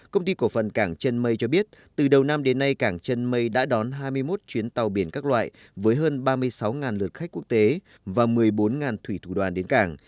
công ty cổ phần cảng chân mây cho biết từ đầu năm đến nay cảng chân mây đã đón hai mươi một chuyến tàu biển các loại với hơn ba mươi sáu lượt khách quốc tế và một mươi bốn thủy thủ đoàn đến cảng